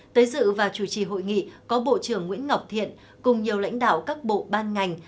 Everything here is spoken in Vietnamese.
tới dự và chủ trì hội nghị có bộ trưởng nguyễn ngọc thiện cùng nhiều lãnh đạo các bộ ban ngành